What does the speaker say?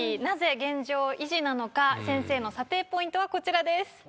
なぜ現状維持なのか先生の査定ポイントはこちらです。